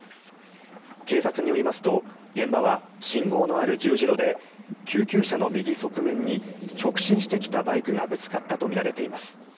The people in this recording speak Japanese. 警察によりますと現場は信号のある十字路で救急車の右側面に直進してきたバイクがぶつかったとみられています。